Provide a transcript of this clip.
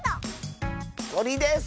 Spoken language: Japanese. とりです！